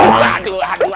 aduh aduh aduh